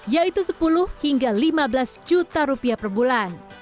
yaitu sepuluh hingga lima belas juta rupiah per bulan